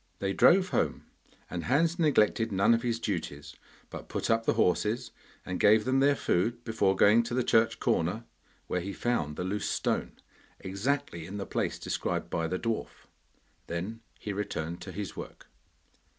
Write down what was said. They drove home, and Hans neglected none of his duties, but put up the horses and gave them their food before going to the church corner, where he found the loose stone, exactly in the place described by the dwarf. Then he returned to his work.